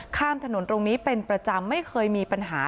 ข้ามถนนตรงนี้เป็นประจำไม่เคยมีปัญหา